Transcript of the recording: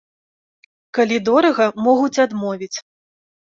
Калі дорага, могуць адмовіць.